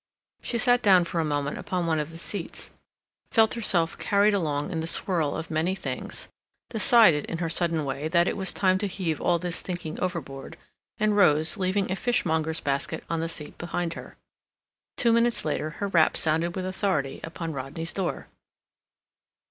She sat down for a moment upon one of the seats; felt herself carried along in the swirl of many things; decided, in her sudden way, that it was time to heave all this thinking overboard, and rose, leaving a fishmonger's basket on the seat behind her. Two minutes later her rap sounded with authority upon Rodney's door.